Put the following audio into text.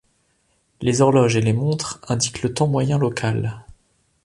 Les horloges et les montres indiquent le temps moyen local.